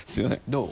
どう？